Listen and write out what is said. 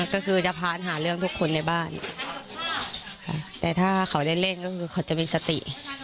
ก็คือจะพานหาเรื่องทุกคนในบ้านค่ะแต่ถ้าเขาได้เล่นก็คือเขาจะมีสติ